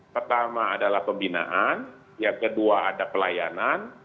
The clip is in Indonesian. pertama adalah pembinaan yang kedua ada pelayanan